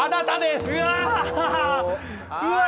うわ！